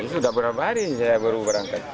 sudah berapa hari saya baru berangkat